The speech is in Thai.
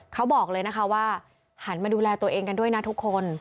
เขาบอกเลยนะคะว่าหันมาดูแลตัวเองกันด้วยนะทุกคน